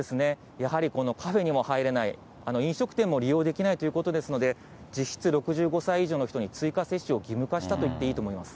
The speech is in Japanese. やはり、この、カフェにも入れない、飲食店も利用できないということですので、実質６５歳以上の人に追加接種を義務化したといっていいと思います。